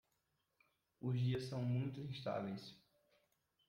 Os dias são muito instáveis